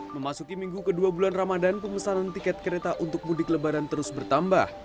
memasuki minggu kedua bulan ramadan pemesanan tiket kereta untuk mudik lebaran terus bertambah